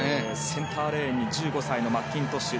センターレーンに１５歳のマッキントッシュ。